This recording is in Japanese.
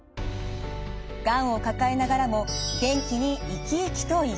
がんを抱えながらも元気に生き生きと生きる。